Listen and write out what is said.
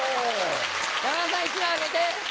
山田さん１枚あげて！